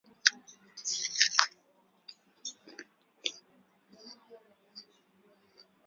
Zaidi wa wanaweka mia sabini kutoka nchi zaidi ya themanini wametambuliwa kutokana na kazi zao tangu mwaka elfu mbili na saba